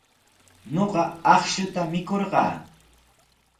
Ñuqa akshuta mikurqaa.